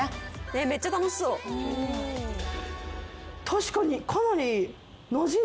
確かにかなり。